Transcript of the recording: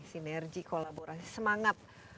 sinergi kolaborasi semangat